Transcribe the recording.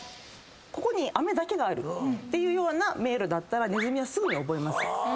ここにアメだけがあるっていうような迷路だったらネズミはすぐに覚えます。